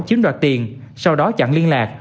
chiếm đoạt tiền sau đó chặn liên lạc